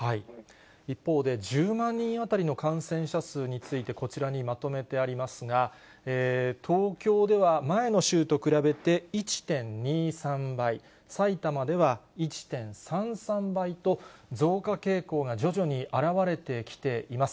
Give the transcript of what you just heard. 一方で、１０万人当たりの感染者数について、こちらにまとめてありますが、東京では前の週と比べて１．２３倍、埼玉では１．３３倍と、増加傾向が徐々に現れてきています。